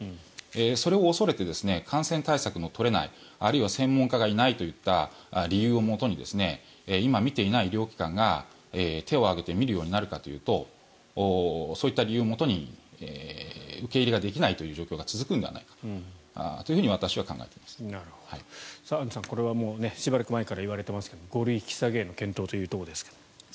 それを恐れて感染対策を取れないあるいは専門家がいないといった理由をもとに今診ていない医療機関が手を挙げて診るようになるかというとそういった理由をもとに受け入れができないという状況が続くのではないかとアンジュさんこれはしばらく前から言われていますが５類引き下げへの検討ということですけれども。